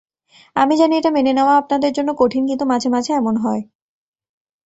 আমি জানি এটা মেনে নেওয়া আপনাদের জন্য কঠিন, কিন্তু মাঝেমাঝে এমন হয়।